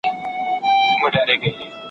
که موږ صادق وو دوی مرسته کوي.